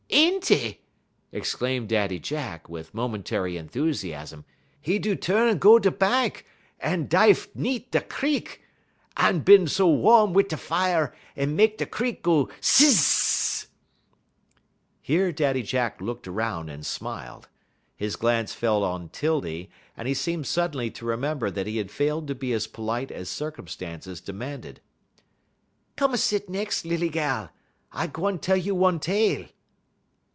"Enty!" exclaimed Daddy Jack, with momentary enthusiasm. "'E do tu'n go da' bahnk, un dife 'neat' da' crik. 'E bin so wom wit' da' fier, 'e mek de crik go si z z z!" Here Daddy Jack looked around and smiled. His glance fell on 'Tildy, and he seemed suddenly to remember that he had failed to be as polite as circumstances demanded. "Come a set nex' em, lilly gal. I gwan tell you one tale."